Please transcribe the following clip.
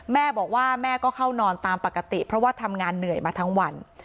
แม่บอกว่าแม่ก็เข้านอนตามปกติเพราะว่าทำงานเหนื่อยมาทั้งวัน